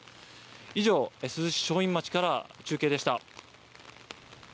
以上、珠洲市正院町から中継でした。